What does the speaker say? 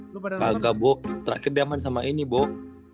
kagak boh terakhir dia main sama ini boh